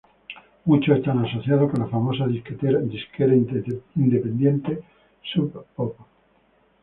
Muchos están asociados con la famosa disquera independiente Sub Pop.